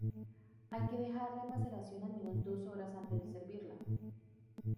Hay que dejarla en maceración al menos dos horas antes de servirla.